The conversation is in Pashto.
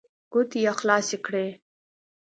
ګوتې يې خلاصې کړې.